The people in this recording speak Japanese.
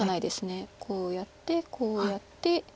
こうやってこうやって。